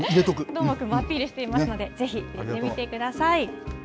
どーもくんもアピールしていますので、ぜひ入れてみてください。